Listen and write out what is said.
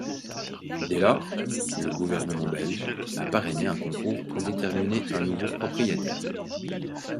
Dès lors, le gouvernement belge a parrainé un concours pour déterminer un nouveau propriétaire.